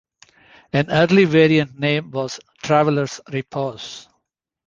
An early variant name was "Travelers Repose".